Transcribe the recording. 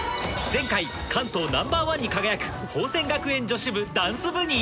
前回関東ナンバーワンに輝く宝仙学園女子部ダンス部に